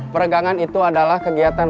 peregangan itu adalah kegiatan